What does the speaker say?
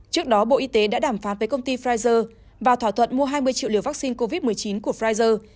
trước đó bộ y tế đã đàm phán với công ty pfizer và thỏa thuận mua hai mươi triệu liều vaccine covid một mươi chín của pfizer